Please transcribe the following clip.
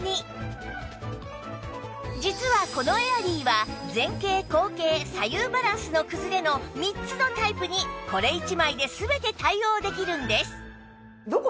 実はこのエアリーは前傾後傾左右バランスの崩れの３つのタイプにこれ一枚で全て対応できるんです